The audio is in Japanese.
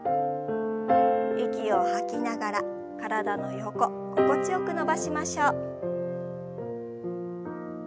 息を吐きながら体の横心地よく伸ばしましょう。